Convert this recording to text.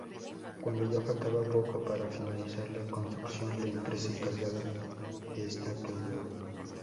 Cuando ya faltaba poco para finalizar la construcción, la empresa encargada de esta quebró.